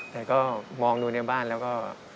แต่ก็มองดูในบ้านแล้วก็